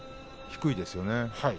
低いですよね。